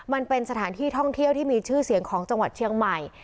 มันเป็นสถานที่ท่องเที่ยวที่มีชื่อเสียงของจังหวัดเชียงใหม่